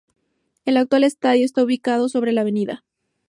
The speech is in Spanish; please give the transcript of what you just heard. El actual estadio está ubicado sobre la Av.